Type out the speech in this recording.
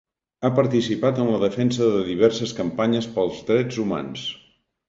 Ha participat en la defensa de diverses campanyes pels drets humans.